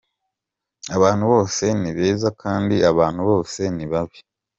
Abantu bose ni beza kandi abantu bose ni babi.